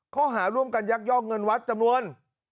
ข้อหาร่วมกันยักยอกเงินวัดจำนวน